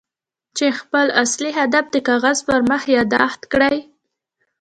چې خپل اصلي هدف د کاغذ پر مخ ياداښت کړئ.